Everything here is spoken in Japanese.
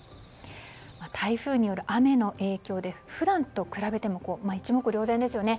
台風による雨の影響で普段と比べても一目瞭然ですよね。